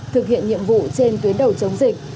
thực hiện nhiệm vụ trên tuyến đầu chống dịch